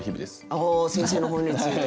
ああ先生の本について。